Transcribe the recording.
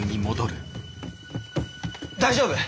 大丈夫？